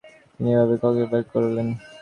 তিনি এভাবে কয়েকবার করলেন।